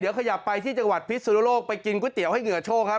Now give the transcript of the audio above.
เดี๋ยวขยับไปที่จังหวัดพิศนุโลกไปกินก๋วยเตี๋ยวให้เหงื่อโชคครับ